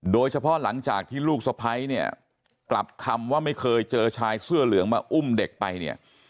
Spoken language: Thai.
หลังจากที่ลูกสะพ้ายเนี่ยกลับคำว่าไม่เคยเจอชายเสื้อเหลืองมาอุ้มเด็กไปเนี่ย